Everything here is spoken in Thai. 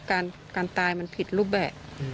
การตายมันผิดรูปแบบ